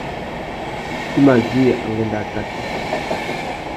I mà djï angüêndô atát.